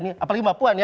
apalagi mbak puan ya